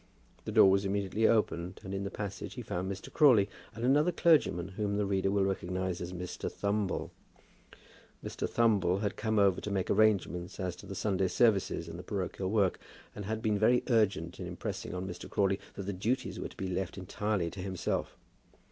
The door was immediately opened, and in the passage he found Mr. Crawley, and another clergyman whom the reader will recognize as Mr. Thumble. Mr. Thumble had come over to make arrangements as to the Sunday services and the parochial work, and had been very urgent in impressing on Mr. Crawley that the duties were to be left entirely to himself.